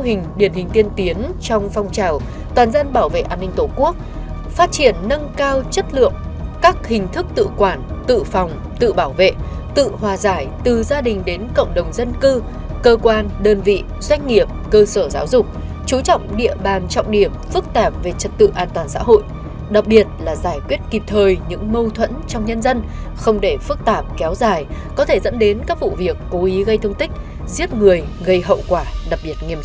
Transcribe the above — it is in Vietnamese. các mô hình điển hình tiên tiến trong phong trào toàn dân bảo vệ an ninh tổ quốc phát triển nâng cao chất lượng các hình thức tự quản tự phòng tự bảo vệ tự hòa giải từ gia đình đến cộng đồng dân cư cơ quan đơn vị doanh nghiệp cơ sở giáo dục chú trọng địa bàn trọng điểm phức tạm về chất tự an toàn xã hội đặc biệt là giải quyết kịp thời những mâu thuẫn trong nhân dân không để phức tạm kéo dài có thể dẫn đến các vụ việc cố ý gây thương tích giết người gây hậu quả đặc biệt nghiêm